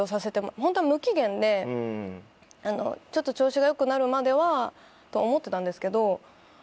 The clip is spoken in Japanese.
ホントは無期限でちょっと調子が良くなるまではと思ってたんですけど。